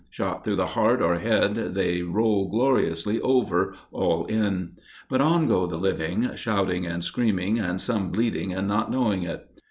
Shot through the heart or head, they roll gloriously over all in! But on go the living, shouting and screaming, and some bleeding and not knowing it.